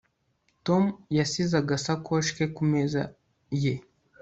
Tom yasize agasakoshi ke ku meza ye